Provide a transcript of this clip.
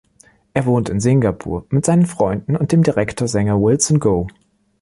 Er wohnt in Singapur mit seinen Freunden und dem Direktor-Sänger Wilson Goh.